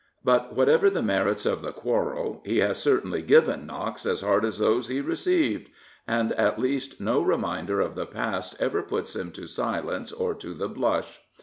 But whatever the merits of the quarrel, he has certainly given knocks as hard as those he received. And at least no reminder of the past ever puts him to silence or to the blush.